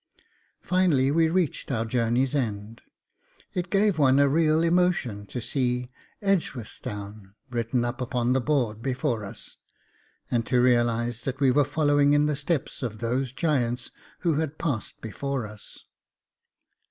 Finally we reached our journey's end. It gave one a real emotion to see EDGEWORTHSTOWN written up on the board before us, and to realise that we were following in the steps of those giants who had passed before us.